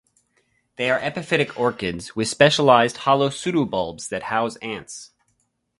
They are epiphytic orchids with specialized hollow pseudobulbs that house ants.